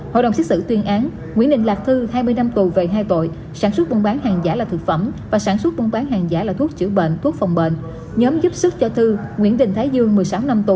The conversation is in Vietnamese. hội đồng xét xử tuyên án